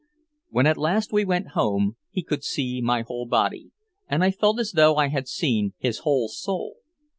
When at last we went home he could see my whole body, and I felt as though I had seen his whole soul.